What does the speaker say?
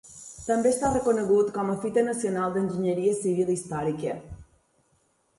També està reconegut com a Fita Nacional d'Enginyeria Civil Històrica.